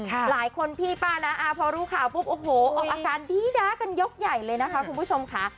หลายคนพี่ป้าน้าอาพอรู้ข่าวปุ๊บโอ้โหออกอาการดีด้ากันยกใหญ่เลยนะคะคุณผู้ชมค่ะ